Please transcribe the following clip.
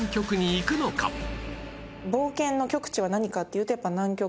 冒険の極地は何かっていうとやっぱり南極。